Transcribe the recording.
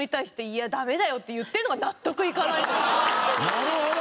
なるほど。